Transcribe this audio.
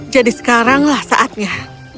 jadi sekaranglah saatnya